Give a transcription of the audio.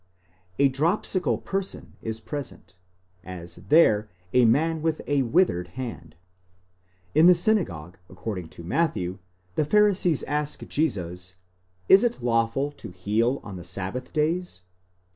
A dropsical person is present; as, there, a man with a withered hand. In the synagogue, according to Matthew, the Pharisees ask Jesus, εἰ ἔξεστι τοῖς σάββασι θεραπεύειν ; Js it lawful to heal on the sabbath days?